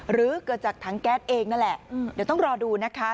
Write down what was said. หรือเกิดจากถังแก๊สเองนั่นแหละเดี๋ยวต้องรอดูนะคะ